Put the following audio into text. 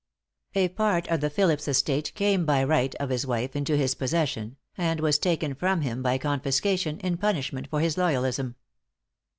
A part of the Philipse estate came by right of his wife into his possession, and was taken from him by confiscation, in punishment for his loyalism.